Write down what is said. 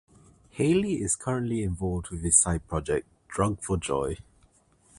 Haley is currently involved with his side project, Drug For Joy.